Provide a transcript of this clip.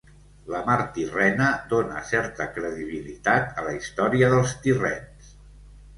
La Mar Tirrena dóna certa credibilitat a la història dels tirrens.